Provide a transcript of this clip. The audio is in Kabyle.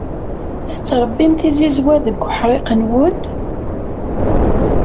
Tettṛebbim tizizwa deg uḥṛiq-nwen?